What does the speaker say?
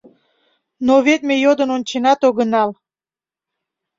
— Но вет ме йодын онченат огынал!